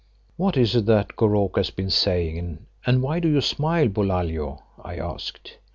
"What is it that Goroko has been saying and why do you smile, Bulalio?" I asked.